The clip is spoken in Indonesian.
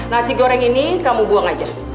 nasi goreng ini kamu buang aja